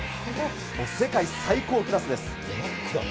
もう世界最高クラスです。